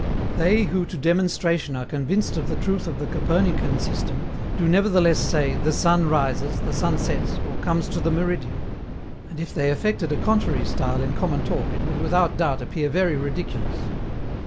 They who to demonstration are convinced of the truth of the Copernican system do nevertheless say "the sun rises," "the sun sets," or "comes to the meridian"; and if they affected a contrary style in common talk it would without doubt appear very ridiculous.